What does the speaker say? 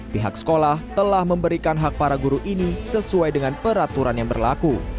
pihak sekolah telah memberikan hak para guru ini sesuai dengan peraturan yang berlaku